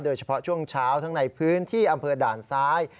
โดยเฉพาะช่วงเช้าทั้งในพื้นที่อำเภอด่านซ้าย